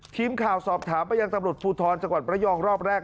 ทีมข่าวสอบถามไปยังตำรวจภูทรจังหวัดระยองรอบแรก